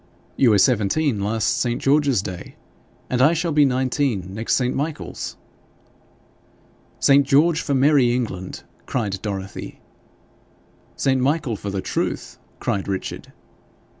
'You were seventeen last St. George's Day, and I shall be nineteen next St. Michael's.' 'St. George for merry England!' cried Dorothy. 'St. Michael for the Truth!' cried Richard.